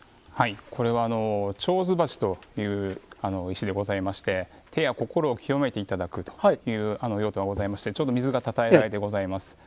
これはちょうず鉢という石でございまして手や心を清めていただくという用途がございましてちょうど水がたたえられてございます。